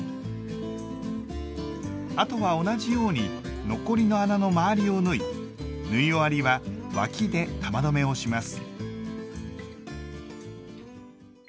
あとは同じように残りの穴の周りを縫い縫い終わりは脇で玉留めをします。